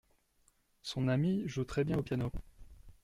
Son amie joue très bien au piano.